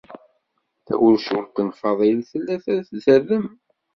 Tawacult n Faḍil tella la tderrem.